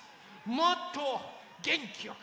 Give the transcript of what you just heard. もっとげんきよく。